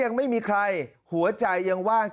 แถลงการแนะนำพระมหาเทวีเจ้าแห่งเมืองทิพย์